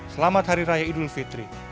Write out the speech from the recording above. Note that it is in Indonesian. selamat hari raya idul fitri